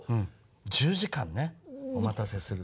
１０時間ねお待たせする。